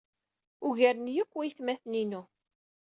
Ugaren-iyi akk waytmaten-inu.